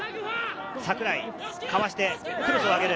櫻井、かわしてクロスを上げる。